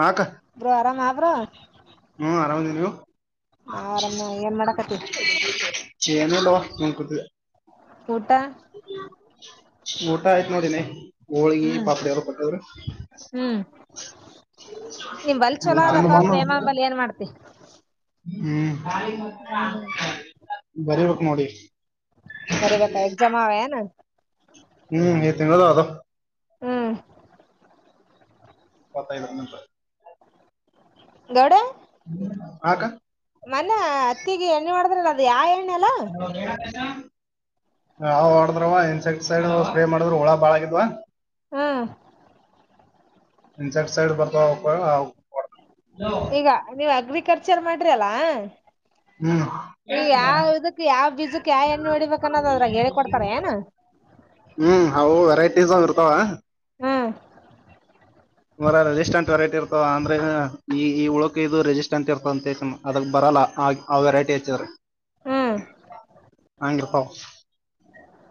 ಹಾಕ ಬ್ರೋ ಆರಾಮ ಬ್ರೋ ಹ್ಮ್ ಆರಾಮದವು ನಾವ್ ಆರಾಮ ಏನ್ ಮಾಡಾಕತಿ ಚೇನಲ್ಲ ನನ್ ಕೊತ ಊಟ ಊಟ ಆಯ್ತ ನೋಡಿನಿ ಹೋಳ್ಗಿ ಹ್ಮ್ ಪಾಪಡ ಯರು ಕೊಟ್ಟದ್ರ ಹ್ಮ್ ನಿಮ್ ಬಲ್ ಚಲೋ ಅದಪ್ಪಾ [unintelligible] ಪ್ರೇಮಾಂಬಲ್ ಏನ್ ಮಾಡ್ತಿ ಹ್ಮ್ ಹ್ಮ್ ಬರಿಬೇಕು ನೋಡಿ ಬರಿಬೇಕಾ ಎಕ್ಸಾಮ್ ಅವ ಏನ ಹ್ಮ್ ತಿಂದ ಅದ ಹ್ಮ್ ಪ್ಪತ್ತೈವತ್ತ ರ [inaudible] ಗೌಡ ಹಕ [unintelligible] ಮನೆ ಅತ್ತಿಗೆ ಎಣ್ಣೆ ಮಾಡಿದ್ರಲ್ಲ ಅದು ಯಾ ಹ [unintelligible] ನ ಹೊಡದ್ರವ ಇನ್ಸೆಕ್ಟ್ಸೈಡ್ ಸ್ಪ್ರೇ ಮಾಡಿದ್ರ ಹುಳ ಬಾಳ ಆಗಿದ್ವಾ ಹಾ ಇನ್ ಸೈಡ್ ಸೈಡ್ ಬ ಈಗ ನೀವ್ ಅಗ್ರಿಕಲ್ಚರ್ ಮಾಡ್ರಿ ಅಲ್ಲಾ ಹ್ಮ್ ಈ ಕೇತೀರಾ ಯಾವ ಇದಕ್ ಯಾವ ಬೀಜಕ್ ಯಾವ ಎಣ್ಣೆ ಹೊಡಿಬೇಕ ಅನ್ನೋದ ಅದ್ರಾಗ ಹೇಳಿ ಕೊಡ್ತಾರ ಏನ ಹ್ಮ್ ಹವು ವೆರೈಟೀಸ್್ ಇರ್ತಾವ ಹ್ಮ್ [unintelligible] [inaudible] ಮರ ರೆಜಿಸ್ಟಾಂಟ್ ವೆರೈಟಿ ಇರ್ತವ ಅಂದ್ರೆ ಈ ಉಳಕ ಇದು ರೆಜಿಸ್ಟಂಟ್ ಇರ್ತ ಅಂತ ಅದಕ್ ಬರಲ್ಲ ಆಿ ಅವ ವೆರೈಟಿ ಹಚ್ಚಿದ್ರ ಹ್ಮ್ ಹಂಗ್ರೀ ಪಾವ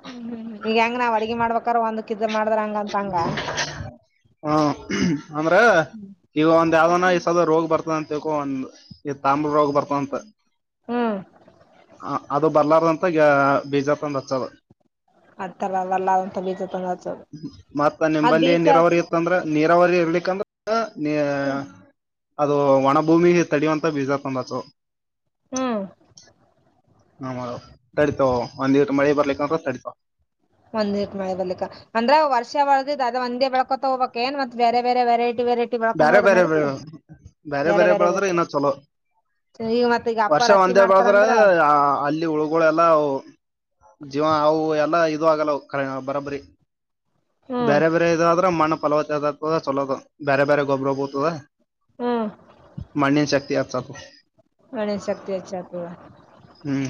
ಹ್ಮ್ ಹ್ಮ್ ಈಗ ಹೆಂಗ ನಾವ್ ಅಡ್ಗೆ ಮಾಡ್ಬೇಕ್ರ ಒಂದ [unintelligible] ಹ್ಮ [unintelligible] ಹಾ ಅಂದ್ರ ಈಗ ಒಂದ್ ಯಾವ್ದನ ಈ ಸದ ರೋಗ್ ಬರ್ತದ ಅಂತಕೊ ಒಂದ ಈ ತಾಮ್ರ ರೋಗ ಬರ್ತಂತ ಹ್ಮ್ ಅದು ಬರ್ಲಾರಂತ ಬೇಜಾರ ಪಂದ್ರ ಸ ಆ ತರವಲ್ಲಂತ ಬೀಜ ತೊಂದತದು ಮತ್ತ ನಿಮಂಬಲ್ಲಿ ನೀರಾವರಿ ಇತ್ತಂದ್ರ ನೀರಾವರಿ ಇರ್ಲಿಕ್ಕಂದ್ರ ನೀ ಅದು ಒಣಭೂಮಿ ತಡುವಂತ ಬೀಜಾರ್ ತಂದತು ಹ್ಮ್ ಹ ಮರ ತಡಿತಾವ ಒಂದ್ ಮಳೆ ಬರ್ಲಿಕ್ಕ ಅಂತ ತಡಿತಾವ ಒಂದ್ಟ್ ಮಾಡಿ ಬರ್ಲಿಕ್ ಅಂದ್ರೆ ವರ್ಷ ಒಳದ ಅದ ಒಂದೇ ಬೆಳ್ಕೊತ ಹ್ಬಬೇಕ ಏನ್ ಮತ್ತತ್ ಬೇರೆ ಬೇರೆ ವೆರೈಟಿ ಬೇರೆ ಬೇರೆ ಬೇರೆ ಬ್ಯಾರೆ ಬೇರೆ ಬ್ಯಾರೆ ಬೆದ್ರೆ ಇನ್ನ ಚಲೋ ಈಗ ಮತ್ತ್ ಈಗ ಅಪ್ಪಾರ ವರ್ಷ ಹತ್ತಿ ಒಂದೇ ಬಳದ್ರೆ ಮಾಡ್ತಾರಂದ್ರ ಅಲ್ಲಿ ಉಳ್ಗಳೆಲ್ಲ ಜೀವ ಅವು ಎಲ್ಲ ಆಲ್ಲ ಬರಬರಿ ಹ್ಮ್ ಬೇರೆ ಬೇರೆ ಇದಾದ್ರ ಮಣ್ಣ ಫಲವದ ಚಲೋದು ಬೇರೆ ಬೇರೆ ಗೊಬ್ಬರ ಬೋತದ ಹ್ಮ್ ಮಣ್ಣಿನ ಶಕ್ತಿ ಆಗ್ತಕು ಒಣನ್ ಶಕ್ತಿ ಹೆಚ್ಚಾಗತವ ಹ್ಮ್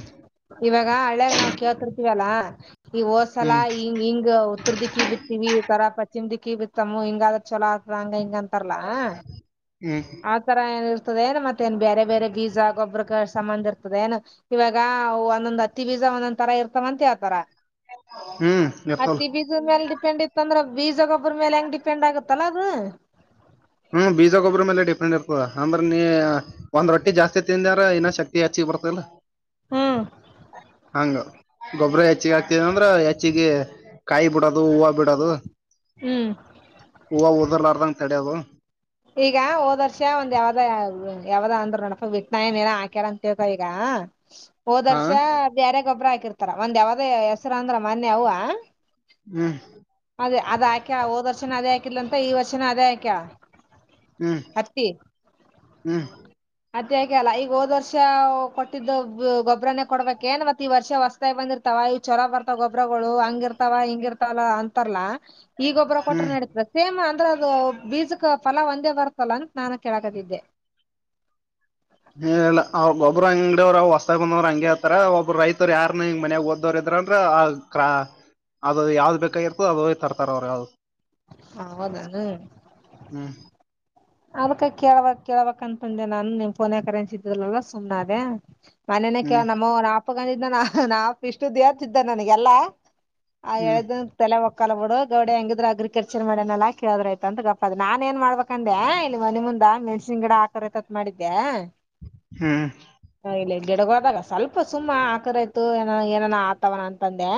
ಇವಾಗ ಕೇಳ್ತೀಥವೀನಾವವು ಕೇಳ್ತಿರ್ತೀವಲ್ಲ ಈ ಹೋದ್ಸಲಾ ಹ್ಮ್ ಹಂಗ ಹಿಂಗ ಉತ್ತರದಿಕ್ಕಿ ಬಿತಿೀವಿ ತರ ಪಶ್ಚಿಮ ದಿಕ್ಕಿ ಬಿತ್ತಮ್ಮ ಹಿಂಗ ಆದ್ರ ಚಛಲ ಆತದ ಹಂಗ ಹಿಂಗ ಅಂತಾರಲ್ಲಾ ಹ್ಮ್ ಆ ತರ ಏನರ್ ಏ ಮತ್ತೆ ನ್ ಬೇರೆ ಬೇರೆ ಬೀಜ ಗೊಬ್ಬರ ಸಂಬಂಧ ಇರ್ತದೆ ಏನ ಇವಾಗ ಒಂದೊಂದ್ ಅತ್ತಿ ಬೀಜ ಒಂದೊಂದ್ರ ಇರ್ತವ ಅಂತಾವತರ ಹ್ಮ [unintelligible] ಹತ್ತಿ ಬೀಜದ ಮೇಲೆ ಡಿಪೆಂಡ್ ಇತ್ತ ಅಂದ್ರೆ ಬೀಜಗೊಬ್ಬ್ರ ಮೇಲೆ ಹೆಂಗ್ ಡಿಪೆಂಡ್ ಆಗತ್ತಲ್ಲಾ ಅದು ಹ್ಮ್ ಬೀಜ ಗೊಬ್ಬ್ರ ಮೇಲೆ ಡಿಫ್ರೆಂಟ್ ಇರ್ತದ ಅಂದ್ರೆ ನೀ ಒಂದ್ ರೊಜಾಸ್ತಿ ತಿಂದಾರ ಇನ್ನ ಶಕ್ತಿ ಹೆಚ್ಚ ಬರ್ತಲ್ಲ ಹ್ಮ್ [inaudible] ಹಂಗ ಗೊಬ್ಬ್ರ ಹೆಚ್ಚಿಗೆ ಆಕ್ತದ ಅಂದ್ರ ಹೆಚ್ಚಿಗೆ ಕಾಯಿ ಬಿಡದು ಹೂವು ಬಿಡೋದು ಹ್ಮ್ ಪೂವ ಓದರ್ಲಾರದಂಗ ಕಡೆಯಾವ ಈಗ ಹೋದ್ ವರ್ಷ ಒಂದ್ ಯಾವದ ಯಾವ್ದ ಅಂದ್ರರು ನಡಪ ವಿಟ್ನನ್ ಏನ ಹಾಕ್ಯಳ ಅಂತ ಕೇಳ್ತ ಈಗ ಹಾ ಹಾ ಹೋದರ್ಷ ಬೇರೆ ಗೊಬ್ಬ್ರ ಹಾಕಿರ್ತಾರ ಒಂದ್ ಯಾವದ ಹೆಸರು ಅಂದ್ರ ಮೊನ್ನೆ ಅವ ಹ್ಮ್ ಅದೇ ಅದಕ್ಯ ಹದ ವರ್ಷ ಅದೇ ಹಾಕಿಲ್ಲಂತ ಈ ವರ್ಷನ ಅದೇ ಆಕ್ಯ ಹ್ಮ್ ಹ್ಮ್ ಮತ್ತೆ ಯಾಕೆ ಅಲ್ಲ ಈಗ ಹೋದ್ ವರ್ಷ ಕೊಟ್ಟಿದ್ದು ಗೊಬ್ಬರನೇ ಕೊಡ್ಬೇಕಏನ್ ಮತ್ತೆ ಈ ವರ್ಷ ಹೊಸತಾಯ ಬಂದಿರ್ತಾವ ಚೊಲರ ಬರ್ತಾವ ಗೊಬ್ಬ್ರಗಳು ಹಂಗಿ ಇರ್ತಾವ ಹಿಂಗ ಇರ್ತವಲ್ಲ ಅಂತ ಲ್ಲಾ ಈಗೊಬ್ರ ಕೊಟ್ರ ಹ್ಮ್ ನಡತ ಸೇಮ್ ಅಂದ್ರೆ ಅದು ಬೀಜಕ್ ಫಲ ಒಂದೇ ಬರ್ತ್ತಲ್ಲ ಅಂತ ನಾನ ಕೇಳಕದಿದ್ದೆ ಹ ಅವ್ರಗೊಬ್ಬರು ಅಂಗಡಿಯವ್ಹೊಸತಾಗ ಬಂದರು ಹಂಗಗೆ ಹತ್ತತರ ಒಬ್ಬ ರೈತರು ಯಾರಾರ್ ಹಂಗ ಮನ್ಗ ಓದವ್ರರು ದ್ರ ಆ ಕ್ರಾ ಅದು ಯಾವ್ದ್ ಬೇಕಾಗಿರ್ತೋ ಅದ ತರ್ತಾರ ಅವ್ರ ಹದಾನ ಹ್ಮ್ ಅದ್ಕ ಕೇಳ್ಬಕ್ ಕೇಳ್ಬಕ್ ಅನ್ಪಂದೆ ನಾನು ನಿಮ್ ಪಫೋನ್ಕರೆನ್ದಲ್ಲ ಸುಮ್ ಅದೇ ಮನನೆ ಕೇಳ ಹ್ಮ್ ನಮ್ಮ ನಾಪ ಗಂ ಇದನ ನಾ ನಾಪ ಇಷ್ಟು ದೇತ್ ಇದ್ದ ನನಗೆಲ್ಲಾ ಆ ಹ್ಮ್ ಎಳದ ತಲೆ ಒತ ಕಲಬೋಡು ಗೌಡ ಹೆಂಗಿದ್ರರು ಅ್ರಕಲ್ಚರ್ ಮಾಡನೆಲ್ಲಾ ಕೇಳಿದ್ರ ಆಯ್ತ ಅಂತ ಗಪ್ಪ ಅ ನಾನ್ ನ್ ಮಾಡ್ಬೇಕಂತ ಇಲ್ಲಿ ಮನೆ ಮುಂದಾ ಮೆಣ್ಸಿನ್ ಗಿಡ ಆಕಾರ ತತ್ ಮಾಡಿದ್ದೆ ಹ್ಮ್ ಗಿಡಗ ಹೋದಾಗ ಸ್ವಲ್ಪ ಸುಮ್ಮ ಆಕರ ಆ್ತ ಏನ ಏನ ಆತವನ ಅಂತಂದೆ.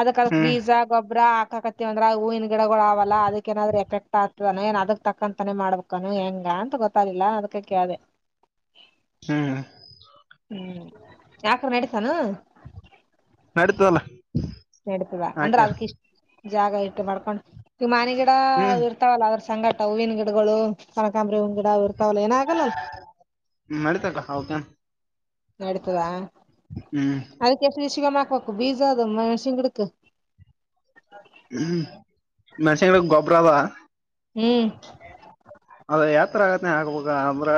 ಅದಕ್ಕದಕ್ ಹ್ಮ್ ಬೀಜ ಗೊಬ್ಬ್ರ ಹ. ಕತ್ತತಿವಂದ್ರೆ ಹೂವಿನ ಗಿಡಗಳು ಅವೆಲ್ಲ ಅದಕ್ಕ ಏನಾದ್ರ ಎಫೆಕ್ಟ್ ಆಗ್ತದೋಏ ಅದಕ್. ಅಕ್ಕಂತಾನೇ ಮಾಡ್ಬೇಕಾನ ಹೆಂಗ ಅಂತ ಗೊತ್ತಾಗಿಲ್ಲ ಅದಕ ಕ ಹ್ಮ್ ಹ್ಮ್ ಯಾಕೆ ನಡ ಅತಲ್ಲ ನೆಡತವ ಅಂದ್ರ ಅದ್ ಇಷ್ಟ ಜಾಗ ಇಟ್ಟು ಮಾಡ್ಕೊಂಡ್ ಮನೆಗಿಡ ಹ್ಮ್ ಇರ್ತಾವಲ್ಲ ಸಂಗಾಟ ಹೂವಿನ ಗಿಡಗಳು ಕನಕಾಂಬ್ರ ಹ್ ಗಿಡ ಇ ಮಾಡತಕ ಹೌದ ನಡತದಾ ಅದಕ್ಕೆಸ ಶಮಕ್ಬೇಕು ಬೀಸಾ ಅದ ಮೆಷನ್ಂಗಿಡಕ್ ಹ್ಮ್ ಮಸಡೆ ಗೊಬ್ಬರಾವ ಹ್ಮ್ ಅದ ಯತ್ರ ಆಗತ್ತ ಆಗ್ಬ ಅಂದ್ರೆ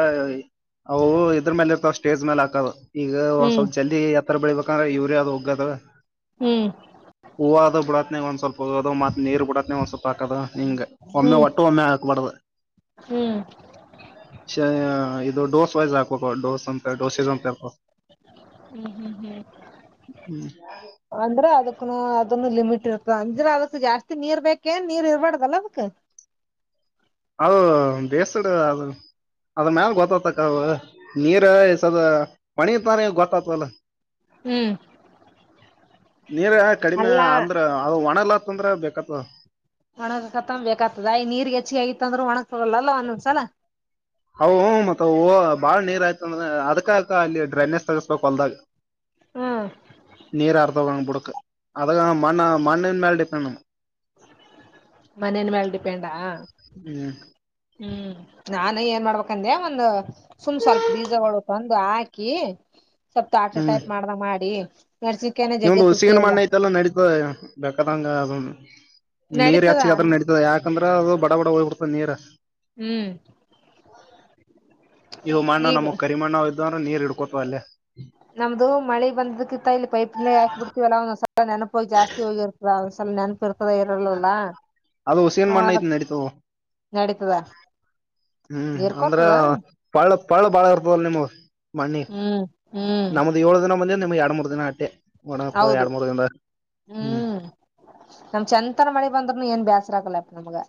ಅವು ಇದ್ರ ಮೇಲೆ ಇರ್ತಾವ ಸ್ಟೇಜ್ ಮೇಲೆ ಹಾಕದು ಈಗ ಒಂದ್ ಹ್ಮ್ ಸ್ವಲ್ಪ ಜಲ್ ಬೆಳಿಬೇಕದರ ಯೂರಿಯ ಹೋಗದು ಹ್ಮ್ ಹ್ಮ್ ಹೂವ ಅದೂ [inaudible] ಒಂದ್ ಸ್ವಲ್ಪದುತ್ ನೀರ್ ಬಿಡತ್ತೆ ಒಂದ ಸ್ವಲ್ಪ. ಪಕದಾ ನೀಂಗ ಒಮ್ಮೆ ಹ್ಮ್ ಒಟ್ಟ ಒಮ್ಮೆ ಆಗಕಬಡದ. ಹ್ಮ್ ಇದು ಡೋಸ್ ವೈಸ್ ಹಾಕ್ಬೇಕ ಡೋಸ್ ಅಂತ ಡೋಸೆಸ್ ಅಂತರ್. ಹ್ಮ್ ಹ್ಮ್ ಹ್ಮ್ ಹ್ಮ್ ಅಂದ್ರೆ ಅದಕ್. ಅದನ್ನು ಲಿಮಿಟ್ ಇರ್ತ ಅಂದ್ರೆ ಅದಕ್ ಜಾಸ್ತಿ ನೀರ್ ಬೇಕೇನ್ ನೀರ್ ಇರಬಾರ್ದಲ್ಲ ಅದಕ್. ಅದ ಬೇಸ್ಡು ಅದು. ಅದ ಮ್ಯಾಲ ಗೊತ್ತತಕ್ಕ ಅವ ನೀರ್ಸದ ಪಣಿ ತ ಗೊತ್ತಾತವಲ್ಲ. ಹ್ಮ್ ನೀರ ಕಡಿಮೆ ಅಲ್ಲಾ ಅಂದ್ರ ಅದು ಒಣಲ್ಲಾತ್ತಂದ್ರೆ ಬೇಕತ್ ಒಣಗ ಕತ್ತೊ ಬೇಕ್ತದಯ ನೀರ್ ಹೆಚ್ಚಿ ಆಗತ್ತ ಅಂದ್ರರು ಒಣಗಕ್ ತಗೊಲ್ಲಲ್ಲ ಒಂದೊಂದ್ಸಲ ಹ ಮತ್ತ ಹ ಬಾಳ್ ನೀರ್ ಆಯ್ತ ಅಂದ್ರೆ ಅದಕಕ ಅಲ್ಲಿ ಡ್ರೈನೇಜ್ ತಗಸ್ಬೇಕಕ್ ಹೊಲ್ದಾಗ ಹ್ಮ್ ನೀರ ಅರ್ತ ಕೊಡುಕ ಅ ಮಣ್ಣ ಮಣ್ಣನ್ ಮೇಲೆ ಡಿಪೆಂಡ್ ನ ಮನೇನ್ ಮೇಾಲ ಡಿಪೆಂಡಾ ಹ್ಮ್ ಹ್ಮ್ ನಾನ ಏನ್ ಮಾಡ್ಬೇಕಂದೆ ಒಂದ ಸುಮ್ ಸ್ವಲ್ಪ ಬೀಜಗಳು ತಂದು ಹಾಕಿ [unintelligible] ಸ್ವಲ್ ಆಟ ಟೈಪ್ ಮಾಡ್ ದಂಗೆ ಮಾಡಿ ಮೆಣಸಿನ್ಕಾಯಿನ ನಿದ ಜಗ್ಗೆ ತುಟ್ಟಿ ಉಸಿಗನ್ ಆಗ್ಯ ಮಣ್ಣ ಐತೆಲ್ಲ ನಡೀತ ಬೇಕಾದಂಗ ಅದ [unintelligible] ನೀರ್ ನಡೀತದ ಹೆಚ್ಚಿಗೆತ್ರ ನಡತದೆ ಯಾಕಂದ್ರ ಅದು ಬಡ ಬಡ ಹೋಗ್ಬಿಡ್ತದ ನೀರ. ಹ್ಮ್ ಇವು ಮಣ್ಣ ಈಗ ನಮಗ್ ಕರಿಮಣ್ಣ ಇದ್ದ ಅಂದ್ರೆ ನೀರ್ ಹಡ್ಕೋತವ ಅಲ್ಲೇ. ನಮ್ದು ಮಳಿ ಬಂದದ್ಕಿಂತ ಇಲ್ಲಿ ಪೈಪ್ಲ್ಲ ಹಾಕಿ ಬಿಡ್ತವಲ್ಲಾ ಒಂದ್ ಸಲ ನೆನಪೋಗಿ ಜಾಸ್ತಿ ಹೋಗಿರ್ತದ. ಸಲ ನೆನಪು ಇರ್ತದ ಇರಲ್ಲಲ್ಲ ಅದು ಉಸಿಗಿನ ಮಣ್ಣ ಐತಿ ಅದಕ್ ನಡೀತದ ನಡೀತದ. ಹ್ಮ್ ಅಂದ್ರ ಇರ್ಕೋತದ ಪಳ ಪಳ ಇರ್ತವ ನಿಮ್ ಅವು. ಮಣಿ ಹ್ಮ್ ಹ್ಮ್ ನಮ್ದ ಏಳು ದಿನ ಬಂದ ನಿಮಗ್ ಎರಡ್ ಮೂರ್ ದಿನ ಅಟ್ಟೆ ಒಣಪ್ಪ ಹೌದು ಎರಡ್ ಮೂರ್ ದಿನದ. ಹ್ಮ್ ನಮ್ ಚೆಂತರ ಮಳಿ ಬಂದ್ನು ಏನ್ ಬೇಸರ ಆಕಲ್ಲಪ್ಪ ನಮ್ಗ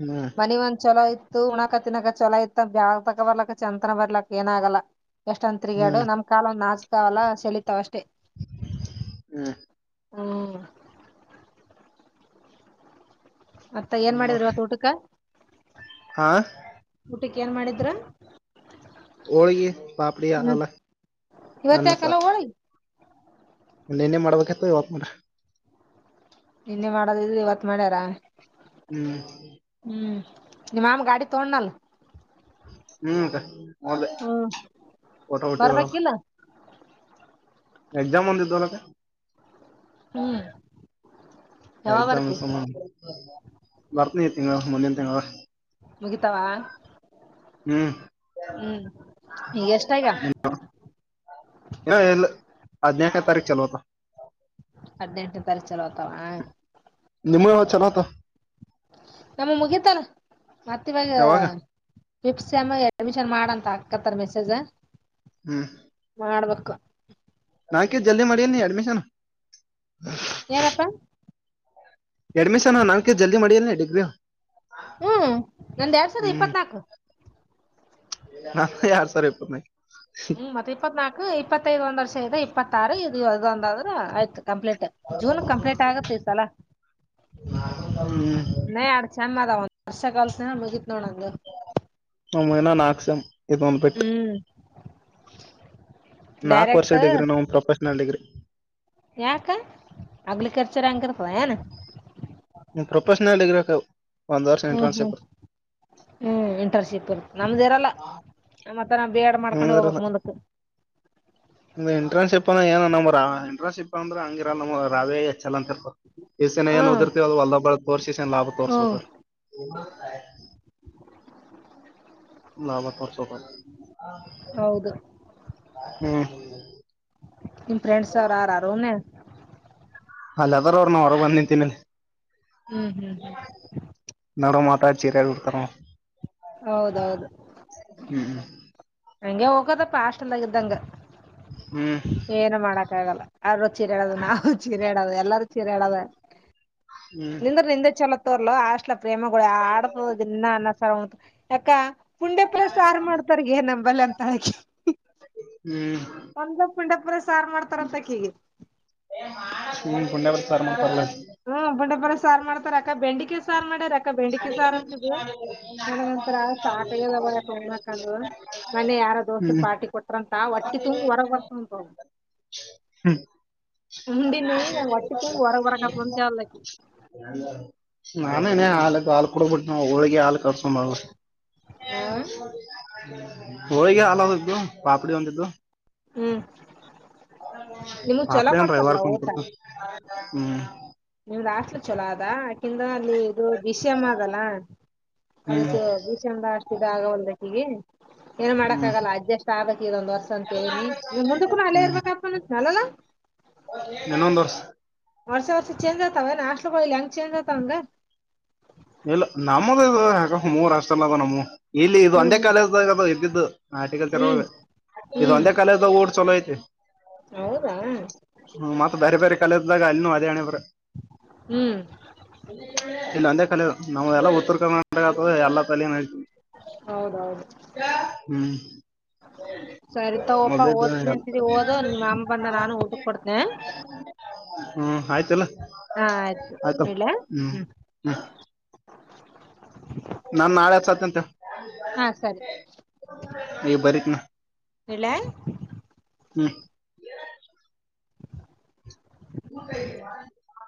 ಹ್ಮ್ ಮನಿ ಒಂದ್ ಚಲೋ ಇ. ಉಣಕ ತಿನ್ನಾಕ ಚಲ ಇತ್ತ ಬ್ಯಾಳ್ ತಗ ಬರ್ಲಕ್ ಚಂದಂತನ ಬರ್ಲಕ್ಕ ಏನ ಆಗಲ್ಲ. ಎಷ್ಟೊಂದ ತಿರುಗಾಡು ಹ್ಮ್ ನಮ್ ಕಾಲ ನಾಚಕಾವಲ್ಲ ಸಲೀತಾವ ಅಷ್ಟೇ. [inaudible] ಹ್ಮ್ ಹ್ಮ್ ಮತ್ತ ಏನ್ ಏನವ ಮಾಡಿದ್ರ ಇವತ್ ಊಟಕ. ಹಾ ಊಟಕ್ಕೆ ಏನ್ ಮಾಡಿದ್ರ ಹ ಓಳಿಗೆ ಪಾಪಡಾ ಅಲ ಇವತ್ ಅನ್ನ ಯಾಕಲ್ಲ ಸಾರ್. ಹೋಳಿಗಿ ಒೆನೇ ಮಾಡ್ಬೇಕತ್ ಇವತ್ ಮಾಡ್ರ ನಿನ್ನೆ ಇವತ್ ಮಾಡ್ಯಾರ ಹ್ಮ್ ನಿಮ್ಮಾಮ ಗಾಡಿ ತೋೊಂಡನಲ್ ಹ್ಮ್ ಸ ಮದ ಊಟಪಟಿ ಬರ್ಬೇಕಿಲ್ಲ ಎಕ್ಜಾಮ್ ಒಂದು ದಲ್ಲ ಕ ಹ್ಮ್ ಯಾವಾಗ ಬರ್ತಿ ಎಕ್ಸಾಮ್ ಬರ್ತನ ತಿಂಗ ಮಂದ ತಿಂಗ ಮುಗಿತಾವ ಹ್ಮ್ ಹ್ಮ್ ಈಗ ಎಷ್ಟಾಗ [unintelligible] ಎಲ್ಲ ತಾರಖ ಚಲೋತ ಹದಿನೆಂಟನ ತರಕೂ ಚಲತಾವ ನಿಮ್ಮ ಹ ಚಲೋತ ನಮ್ಮ ಮುಗಿತಾರ ಮತ್ತ ಇವಾಗ. ಯಾವಾಗ ಸ ಎಮ ಅಡ್ಮಿಷನ್ ಮಾಡಂತ ಹಾಕತ್ತಾರ ಮೆಸೇಜ ಮಾಡ್ಬೇಕು. ನಾಕ ಜಲ್ದಿ ಮಾಡಿ ನೀ ಅಡ್ಮಿಶನ್. ಏನಪ್ಪ ಎಡ್ಮಿಷನ್ ನಾಕ ಜಲ್ದಿ ಮಾಡಿಯಲ್ಲ ಡಿಗ್ರಿ ಹ್ಮ್ ನಂದು ಎರಡ್ ಸಾವಿರದ ಇಪ್ಪತ್ನಾಕು ಹಾ ಯಾರು ಸರ್ ಇಪ್ಪನ ಹ್ಮ್ ಮತ್ತತ್ ಇಪ್ಪತ್ ನಾಲ್ಕು ಇಪ್ಪತ್ತೈದ ಒಂದ ವರ್ಷ ಇದೆ ಇಪ್ಪತ್ತಾರು ಇದು ಇದದೊಂದಾದ್ರ ಆಯ್ತು ಕಂಪ್ಲೀಟ್ ಜೂನ್ ಕಂಪ್ಲೀಟ್ ಆಗ ಪಲೀಸ್ ಅಲ್ಲ ಹ್ಮ್ ನ ಅಡ್ ಚ ಮಾರ ಒಂದಂದು ವರ್ಷ ಕಲ್ಸ ಮುಗತ್ ನೋಡಂದು ನಾಕ್ಕ್ಷಂ ಇದುಮಲ್ಪೆಟ್ಟ ನಾಕು ವರ್ಷ ಡೈರೆಕ್ಟ್ ಡಿಗ್ರಿ ನ ಪ್ರೊಫೆಷನಲ್ ಡಿಗ್ರಿ ಯಾಕ ಅಗ್ಲಿ ಕರ್ಚರ ಹಂಗರ್ತದ ಏನ್ ಪ್ರೊಫೆಷನಲ್ಗರ ಹ್ಮ್ ಹ್ಮ್ ಟ್ರಾಸ್ೇಪರ್ ಹ್ಮ್ ಇಂಟರ್ನ್ಶಿಪ್ ಇರು ನಮ್ದ ಇರಲ್ಲ ಆ ಮತ್ತ ನಾ ಬೇಡ ಮಾಡ್ಕೊಂಡು ಹೋಗ್ಕ್ ಮುಂದಕ್ ಎಂಟ್ರನ್ಸ್ ಶಿಪ್ ಅ ಏ ನಮ ಎಂಟ್ರನ್ಸ್ ಶಿಪ್ ಅಂದ್ರೆ ಹಂಗಿರ ನ ರಾವೇ ಚಲ ಅಂತಿರ ಈಸನ್ ಏನ್ ಹ್ಮ್ ದಿರ್ತೇವ ಅದು ಅಲ್ಲಾ ಬಳ ತೋರ್ಸಿ ಈಸೇನ್ ಲಾಭ ಹ್ಮ್ ತೋರ್ಬೇಕರಿ ಗ ನಮ್ಮ ತಸೊಕ ಹೌದು ಹ್ಮ ನಿಮ್ಮ ಫ್ರೆಂಡ್ಸ್ ಅವ್್ರ ಯಾರಾರನ ಅಲ್ಲದಾರ ಅವರು ನ ಹೊರ ಬಂದ ನಿಂತ ಮೇಲೆ ಹ್ಮ್ ಹ್ಮ್ ಹ್ಮ್ ನಡುವ ಮಾತಾ ಚೀರಿ ಕೊಡ್ತಾರೋ ಹೌದೌದು ಹ್ಮ್ ಹಂಗೆ ಹೋಗದ ಪ ಅಾಷ್ಟಂದಾಗ್ದಂಗ ಹ್ಮ್ ಏನು ಮಾಡಕ್ಕ ಆಗಲ್ಲ ಅವರು ಚೀರೆಾಡೋದು ನಾವರು ಚೀರೆ ಹೇಳೋದು ಎಲ್ಲಾರೂ ಚೀರೆ ಹೇಳೋದ ಹ್ಮ್ ನಿಂದ್ರ ನಿಂದೆ ಚಲೋ ತೋರ್ಲ ಆಷ್ಟಲ ಪ್ರೇಮಗಳ ಆಡತ ದ ಇನ್ನ ಅನ್ನ ಯಾಕ ಪುಂಡೆ ಪಲಸ ಆಾರು ಮಾಡ್ತಾರಗ ನಮಂಬಲ್ ಅಂತಕಿ ಹ್ಮ್ ಒಂದ ಮಂಡಪುರ ಸಾರು ಮಾಡ್ತಾರ ಅಂತಕ್ೀಗೆ ಹ ಪಡ ಬ ಹ್ಮ ಬುಂಡೆಪರ ಸಾರು ಮಾಡ್ತಾರಕ್ಕ ಬೆಂಡಿಕೆ ಸಾರು ಮಾಡಾರಕ್ಕ ಾ ಬೆಂಡಕಿ ಸಾರ ಅಂತ ನನ ಒಂತರ ಸಾಕದ ಯಕ ಮ ಯಾರ ದೋಸ್ರು ಹ್ಮ್ ಪಾರ್ಟಿ ಕೊಟ್ರಂತ ಒಟ್ಟಿ ತುಂಬಿ ಹೊರಗ್ ಬರ್ತಂ ಹ್ಮ್ ಹಂಬಿನ ನ ಒಟ್ಟಿ ನಾನ ಇ ಹಾಲ ಹಾಲ್ ಕೊಡಬಿಟ್ಟ ನಾವವು ಹೋಳಗೆ ಹಾ ಕಟ್ಸೋ ಮಾಡ ಆ ಹೊಳಗೆ ಅಲು ಪಾಪಡಿ ಒಂದುಂತಿದ್ದು ಹ್ಮ್ ನಿಮಗ್ ಚೊಲೋ ಅಡೆಮ ರವಿವಾರ ಕೊಡ್ತಾರಲ್ಲ ಕನ್ ಊಟ ಕೊತ ಹ್ಮ್ ಹಾಟ್ಲು ಚಛಲೋ ಅದಾ ಆಾಕಂದ ಅಲ್ಲಿ ಇದು ವಿಷಮ್ ಆಗಲ್ಲ ಅದ ಹ್ಮ್ ಭೀಷಣ ಅಷ್ಟ ಆಗವಲ್ದಕ್ಕ ಈಗ ಏನ್ ಮಾಡಕ್ ಹ್ಮ್ ಆಗಲ್ಲ ಅಡ್ಜಸ್ಟ್ ಆಗ್ಕ್ ಇದೊಂದ್ ವರ್ಷ ಅಂತನಿ ಇ ಮುಂದ ಕೂ ಅಲ್ಲೇ ಇರ್ಬೇಕಪ್ಪ ಅಲಾ ಇನ್ನೊಂದು ವರ್ಸ ವರ್ಷ ವರ್ಷ ಚೇಂಜ್ ಆತಾವ ನಾಸ್ಲಲಿ ಹೆಂಗಗೆ ಚೇಂಜ್ ಆತಂಗ ಇಲ್ಲ ನಮ್ಮದ ಇ ಯಕ ಮೂರ್ ಅಷ್ಟಲ್ಲ ಅದ ನಮ್ಮ ಇಲ್ಲಿ ಇ ಒಂದೇ ಹ್ಮ್ ಕಾಲೇಜ್್ದಾಗ ಅದು ಇದ್ದಿದ್ದು ಆರ್ಟಿಕಲ್ ತಿರವಾಗ ಹ್ಮ್ ಇದು ಹ್ಮ್ ಒಂದೇ ಕಾಲೇಜ್ದಾಗ ಊಡ್ ಚಲೋ ಇಐ ಹೌದಾ ಹ್ಮ ಮತ್ತ ಬೇರೆ ಬೇರೆ ಕಲದ್ದಾಗ ಅಲ್ಲಿ ಅದೇಣೆ ಬ್ರ ಹ್ಮ್ ಇ ನಂದ ಕಲ ನಾವವು ಎಲ್ಲ ಉತ್ತರ ಕರ್ನಾಟಕ ಅ ಎಲ್ಲ ಕಲನ ಹತೀವಿ ಹೌದೌದು ಹ್ಮ್ [unintelligible] ಸರಿತಗಪ್ಪಾ ಮೊದ್ಲೇದ ಓದ್ನ ಅಂತಿದಿ ಓದ ನಿಮ್ಮ ಅಮ್ಮ ಬಂದ ನಾನು ಊಟಕ್ ಕೊಡ್ತನೆ ಹ್ಮ್ ಆಯ್ತಲ್ಲ ಆಯ್ತ ಇಡ್ಲಾ ಹ್ಮ ಹ್ಮ್ ಹ್ಮ ನಾನ್ ನಾಳೆ ಹತ್ತ್ತಂತೆ ಹಾ ಸರಿ ಈ ಬರಿಕನ ಇಡ್ಲಾ. ಹ್ಮ ಊಟ ಇ